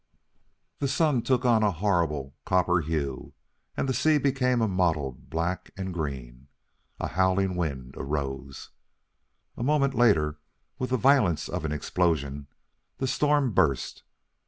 The sun took on a horrible copper hue, and the sea became a mottled black and green. A howling wind arose. A moment later, with the violence of an explosion, the storm burst.